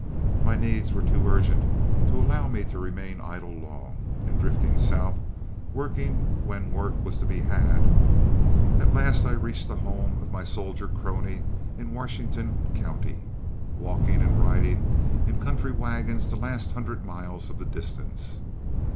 My needs were too urgent to allow me to remain idle long, and, drifting south, working when work was to be had, at last I reached the home of my soldier crony in Washington County, walking and riding in country wagons the last hundred miles of the distance.